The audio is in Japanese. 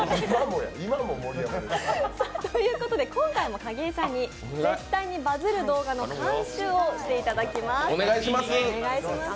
ということで、今回も景井さんに絶対にバズる動画の監修をしていただきます。